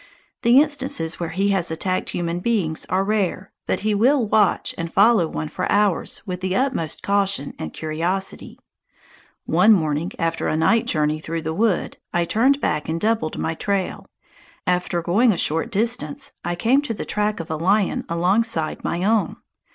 The instances where he has attacked human beings are rare, but he will watch and follow one for hours with the utmost caution and curiosity. One morning after a night journey through the wood, I turned back and doubled my trail. After going a short distance I came to the track of a lion alongside my own.